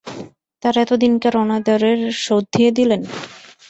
তার এতদিনকার অনাদরের শোধ দিয়ে দিলেন?